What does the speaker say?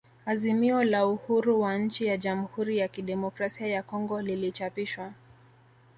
Azimio la uhuru wa nchi ya Jamhuri ya kidemokrasia ya Kongo lilichapishwa